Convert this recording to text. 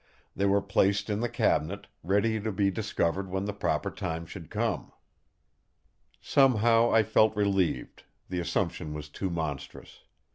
They were placed in the cabinet, ready to be discovered when the proper time should come!" Somehow I felt relieved; the assumption was too monstrous.